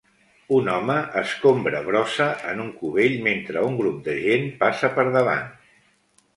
Un home escombra brossa en un cubell mentre un grup de gent passa per davant